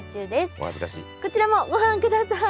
こちらもご覧ください。